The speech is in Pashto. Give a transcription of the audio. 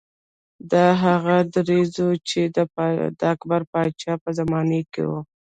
دا هغه دریځ و چې د اکبر پاچا په زمانه کې و.